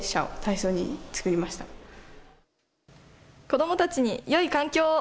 子どもたちに、よい環境を。